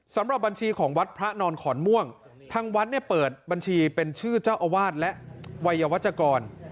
สำหรับบัญชีของวัดพระนอนขอนม่วงทางวัดเนี่ยเปิดบัญชีเป็นชื่อเจ้าอาวาสและวัยวจกร